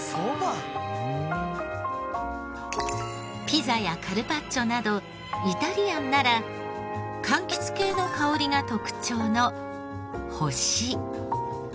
ピザやカルパッチョなどイタリアンなら柑橘系の香りが特徴の星。